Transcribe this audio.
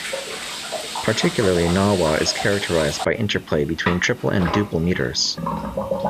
Particularly Gnawa is characterized by interplay between triple and duple meters.